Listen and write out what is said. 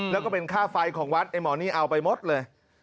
แล้วก็เป็นค่าไฟของวัดไอ้หมอนี่เอาไปหมดเลย